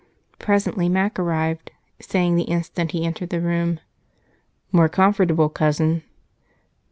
Presently Mac arrived, saying the instant he entered the room: "More comfortable, Cousin."